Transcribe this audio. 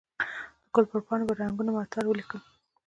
د ګل پر پاڼو به رنګونه معطر ولیکم